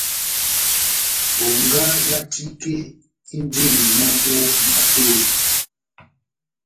Bongá yá tike indini mɔ́ ó matohi.